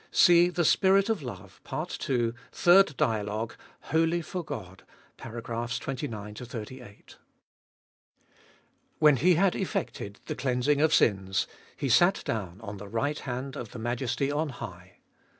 See "The Spirit of Love," Part II., Third Dialogue (WHOLLY FOR GOD, pars. 29 38). 2. When He had effected the cleansing of sins, He sat down on the rig lit hand of the Majesty on high.